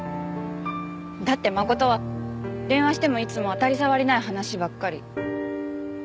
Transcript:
だって真琴は電話してもいつも当たり障りない話ばっかり。